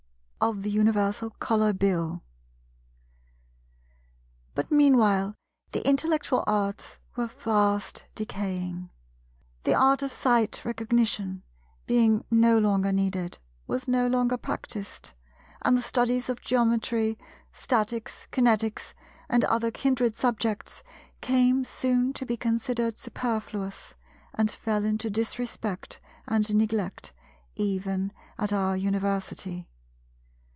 § 9 Of the Universal Colour Bill But meanwhile the intellectual Arts were fast decaying. The Art of Sight Recognition, being no longer needed, was no longer practised; and the studies of Geometry, Statics, Kinetics, and other kindred subjects, came soon to be considered superfluous, and fell into disrespect and neglect even at our University.